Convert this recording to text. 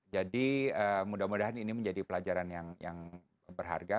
jadi mudah mudahan ini menjadi pelajaran yang berharga